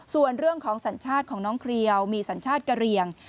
ส่วนเรื่องของสัญชาติของน้องเครียวมีสัญชาติกะเรียง